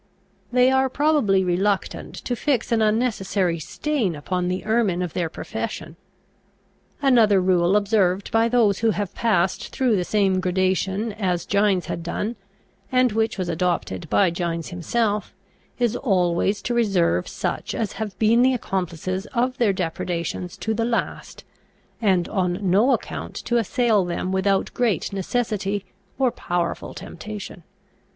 They are probably reluctant to fix an unnecessary stain upon the ermine of their profession. Another rule observed by those who have passed through the same gradation as Gines had done, and which was adopted by Gines himself, is always to reserve such as have been the accomplices of their depredations to the last, and on no account to assail them without great necessity or powerful temptation.